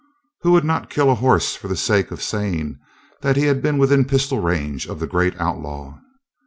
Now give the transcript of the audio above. Who would not kill a horse for the sake of saying that he had been within pistol range of the great outlaw?